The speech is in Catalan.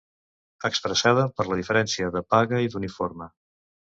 Expressada per la diferència de paga i d'uniforme.